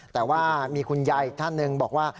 แต่ว่ามีคุณยายอีกท่านหนึ่งบอกว่า